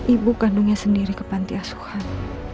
ibu kandungnya sendiri ke pantiasuhan